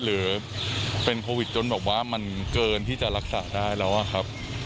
หรือเป็นโควิดจนแบบว่ามันเกินที่จะรักษาได้แล้วอะครับ